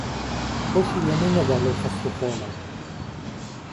بەشی ئێمەی نەدا لەو خەست و خۆڵە